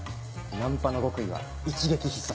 ナンパの極意は一撃必殺。